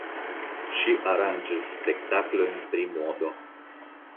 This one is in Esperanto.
Ŝi aranĝis spektaklojn pri modo.